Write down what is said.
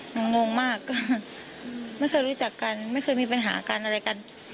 งงมากก็ไม่เคยรู้จักกันไม่เคยมีปัญหากันอะไรกัน